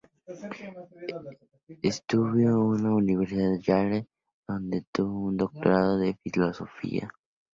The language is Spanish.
Estudió en la Universidad de Yale, donde obtuvo su doctorado en Filosofía.